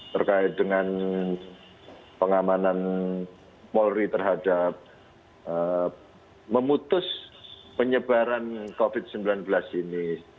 terkait dengan pengamanan polri terhadap memutus penyebaran covid sembilan belas ini